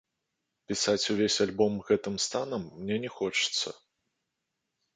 Пісаць увесь альбом гэтым станам мне не хочацца.